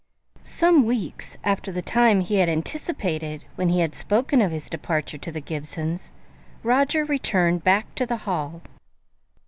Some weeks after the time he had anticipated when he had spoken of his departure to the Gibsons, Roger returned back to the Hall.